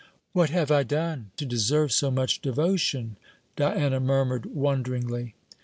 "What have I done to deserve so much devotion?" Diana murmured wonderingly.